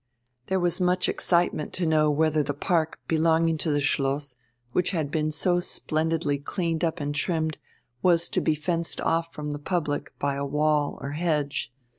There was much excitement to know whether the park belonging to the Schloss, which had been so splendidly cleaned up and trimmed, was to be fenced off from the public by a wall or hedge.